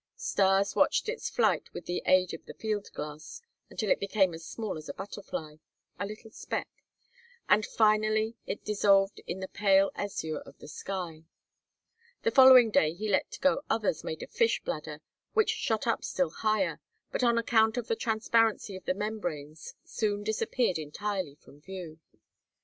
Stas watched its flight with the aid of the field glass until it became as small as a butterfly, a little speck, and until finally it dissolved in the pale azure of the sky. The following day he let go others made of fish bladder, which shot up still higher, but on account of the transparency of the membranes soon disappeared entirely from view.